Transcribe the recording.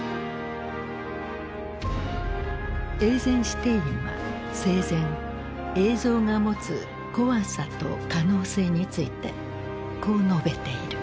エイゼンシュテインは生前映像が持つ怖さと可能性についてこう述べている。